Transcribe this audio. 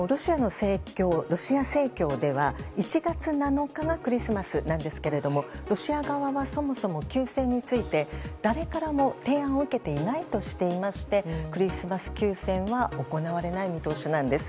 ロシア正教では１月７日がクリスマスなんですけどロシア側はそもそも休戦について誰からも提案を受けていないとしていましてクリスマス休戦は行われない見通しなんです。